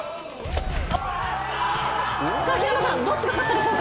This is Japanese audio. さあ平野さん、どっちが勝ったでしょう？